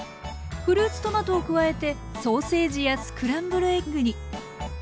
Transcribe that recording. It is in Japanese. フルーツトマトを加えてソーセージやスクランブルエッグに。